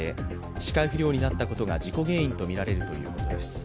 視界不良になったことが事故原因とみられるということです。